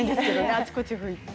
あちこち拭いて。